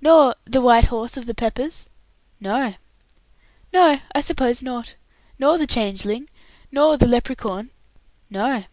"Nor the 'White Horse of the Peppers'?" "No." "No, I suppose not. Nor the 'Changeling'? nor the 'Leprechaun'?" "No."